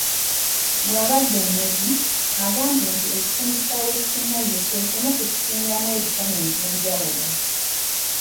Bw'abadde e Nebbi, agambye nti ekitundu kya West Nile ky'ekimu ku bisingamu ebitone eby'enjawulo.